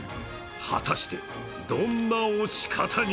果たして、どんな落ち方に